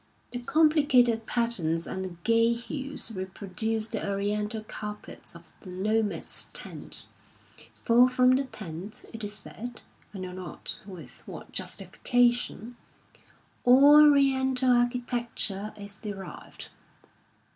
The complicated patterns and the gay hues reproduce the oriental carpets of the nomad's tent ; for from the tent, it is said, (I know not with what justification,) all oriental architecture is derived.